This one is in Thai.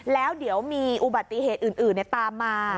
แล้วเดี๋ยวมีอุบัติเหตุอื่นตามมา